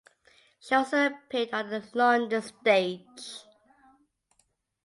She also appeared on the London stage.